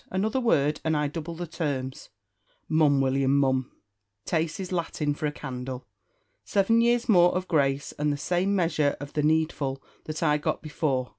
Another word, and I double the terms." "Mum, William mum; tace is Latin for a candle." "Seven years more of grace, and the same measure of the needful that I got before.